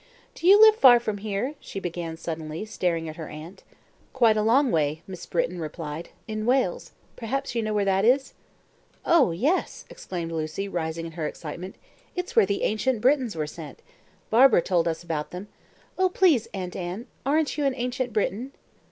"Do you live far from here?" she began suddenly, staring at her aunt. "Quite a long way," Miss Britton replied. "In Wales perhaps you know where that is?" "Oh, yes," exclaimed Lucy, rising in her excitement. "It's where the ancient Britons were sent. Barbara told us about them. Oh, please Aunt Anne, aren't you an ancient Briton?"